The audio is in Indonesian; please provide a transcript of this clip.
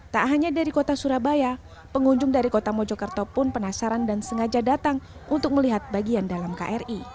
tak hanya dari kota surabaya pengunjung dari kota mojokerto pun penasaran dan sengaja datang untuk melihat bagian dalam kri